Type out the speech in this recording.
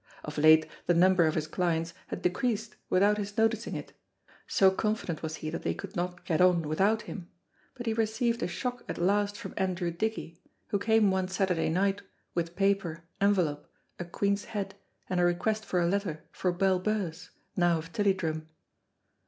Of late the number of his clients had decreased without his noticing it, so confident was he that they could not get on without him, but he received a shock at last from Andrew Dickie, who came one Saturday night with paper, envelope, a Queen's head, and a request for a letter for Bell Birse, now of Tilliedrum.